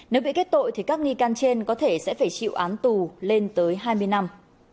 nếu bị kết tội thì các nghi can trên có thể sẽ phải chịu án tù lên tới hai mươi năm